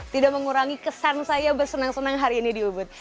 tidak mengurangi kesan saya bersenang senang hari ini di ubud